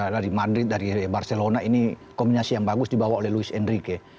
dari madrid dari barcelona ini kombinasi yang bagus dibawa oleh louis andrique